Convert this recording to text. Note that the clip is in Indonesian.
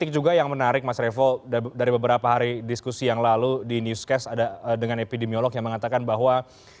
jadi ada epidemiolog yang mengatakan bahwa